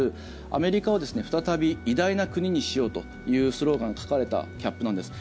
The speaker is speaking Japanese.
アメリカを再び偉大な国にしようというスローガンが書かれたキャップなんです。